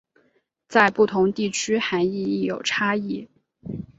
在不同地区涵义亦有差异。